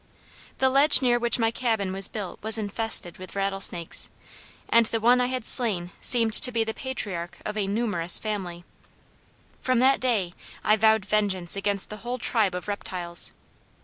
The ledge near which my cabin was built was infested with rattlesnakes, and the one I had slain seemed to be the patriarch of a numerous family. From that day I vowed vengeance against the whole tribe of reptiles.